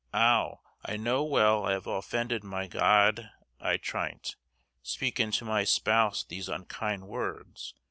_ Ow, I know weyl I have offendyd my God ī trinyte, Spekyn to my spowse these unkynde wordys.